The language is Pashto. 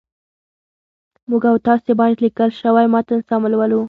موږ او تاسي باید لیکل شوی متن سم ولولو